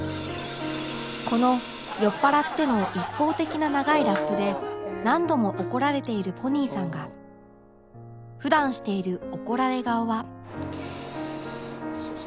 この酔っ払っても一方的な長いラップで何度も怒られている ＰＯＮＥＹ さんが普段している怒られ顔は